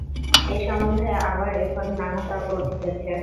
এ-সম্বন্ধে আবার এখন নানা তর্ক উঠিতেছে।